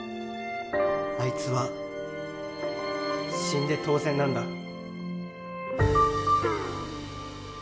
あいつは死んで当然なんだ。